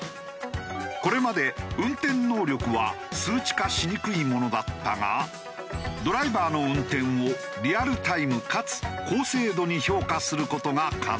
これまで運転能力は数値化しにくいものだったがドライバーの運転をリアルタイムかつ高精度に評価する事が可能に。